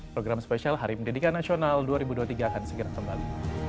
program spesial hari pendidikan nasional dua ribu dua puluh tiga akan segera kembali